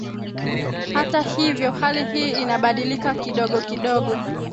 Hata hivyo hali hii inabadilika kidogo kidogo